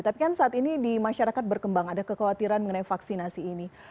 tapi kan saat ini di masyarakat berkembang ada kekhawatiran mengenai vaksinasi ini